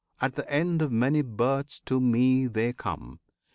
At end of many births to Me they come!